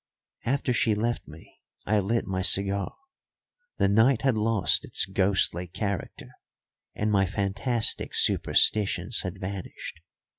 After she left me I lit my cigar. The night had lost its ghostly character and my fantastic superstitions had vanished.